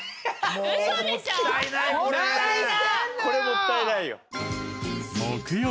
これもったいないよ。